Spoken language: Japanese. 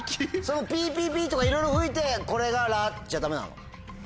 ピピピとかいろいろ吹いてこれが「ラ」じゃダメなの？